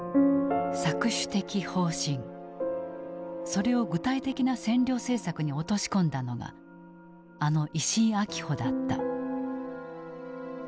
それを具体的な占領政策に落とし込んだのがあの石井秋穂だった。